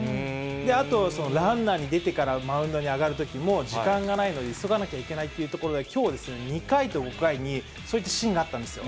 あと、ランナーに出てから、マウンドに上がるときも、時間がないので、急がなきゃいけないというところが、きょう、２回と５回に、そういったシーンがあったんですよ。